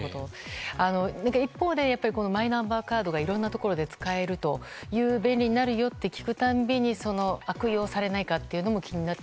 一方で、マイナンバーカードがいろんなところで使えて便利になるよと聞くたびに悪用されないかというのも気になって。